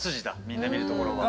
みんな見るところは。